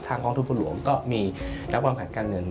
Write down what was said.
ทางห้องทุกผู้หลวงก็มีนักวางแผนการเงิน